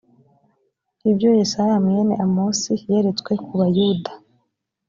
ibyo yesaya mwene amosi yeretswe ku bayuda